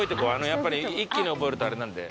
やっぱり一気に覚えるとあれなんで。